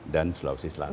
dan sulawesi selatan